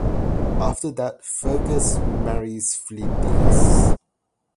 After that, Fergus marries Flidais.